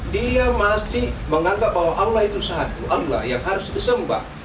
dia masih menganggap bahwa allah itu satu allah yang harus disembah